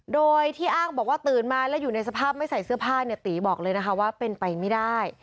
โดยที่อ้างบอกว่าตื่นมาแล้วอยู่ในสภาพไม่ใส่เสื้อผ้าเนี่ยตีบอกเลยนะคะว่าเป็นไปไม่ได้